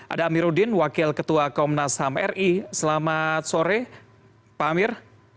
ada amiruddin wakil ketua komnas ham ri selamat sore pak amir